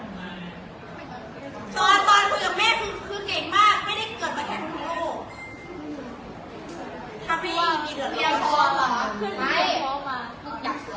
มึงไปข้ามบ้านมึงควรบอกแม่มาบอกพ่ออ่ะ